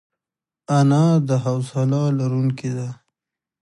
انا د حوصله لرونکې ده